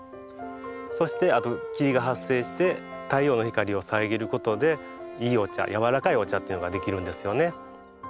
そして霧が発生して太陽の光を遮ることでいいお茶やわらかいお茶というのができるんですよね。